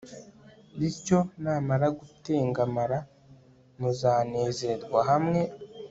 bityo, namara gutengamara, muzanezerwa hamwe